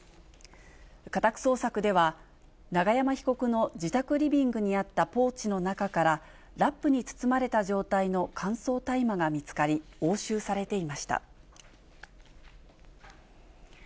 家宅捜索では、永山被告の自宅リビングにあったポーチの中から、ラップに包まれた状態の乾燥大麻が見つかり、押収されていました。